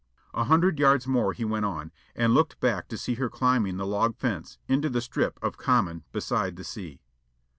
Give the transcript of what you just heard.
A hundred yards more he went on, and looked back to see her climbing the log fence into the strip of common beside the sea.